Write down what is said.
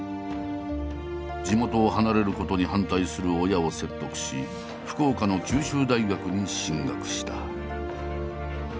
地元を離れることに反対する親を説得し福岡の九州大学に進学した。